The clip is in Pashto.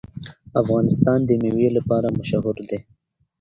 افغانستان د مېوې لپاره مشهور دی.